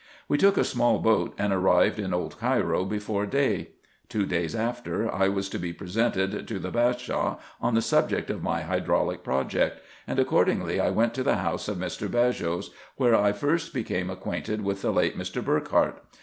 We took a small boat, and arrived in old Cairo before day. Two days after I was to be presented to the Ba shaw on the subject of my hydraulic project ; and accordingly I went to the house of Mr. Baghos, where I first became acquainted with the late Mr. Burckhardt.